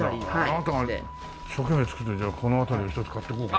あなたが一生懸命作ってるじゃあこの辺りを１つ買っておこうかな。